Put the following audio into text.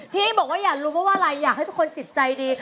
ที่บอกอย่าลุมว่าไงอยากให้ทุกคนจิตใจดี